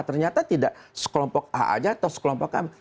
ternyata tidak sekelompok a aja atau sekelompok km